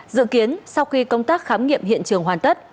dự kiến sau khi công tác khám nghiệm hiện trường hoàn tất